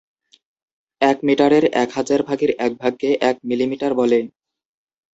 এক মিটারের এক হাজার ভাগের এক ভাগকে এক মিলিমিটার বলে।